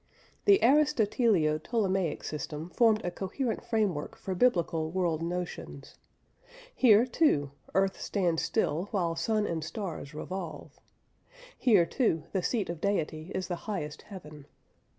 This Aristotelio Ptolemaic system formed a coherent framework for biblical world notions. Here too, earth stands still while sun and stars revolve; here, too, the seat of Deity is the highest heaven.